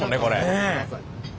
ねえ。